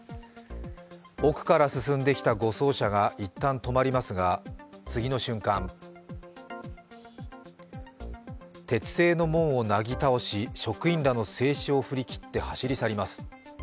奥から進んできた護送車がいったん止まりますが、次の瞬間、鉄製の門をなぎ倒し職員らの制止を振り切って走り去ります。